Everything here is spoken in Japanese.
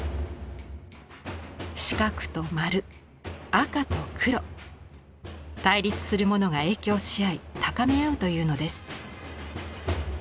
四角と丸赤と黒。対立するものが影響し合い高め合うというのです。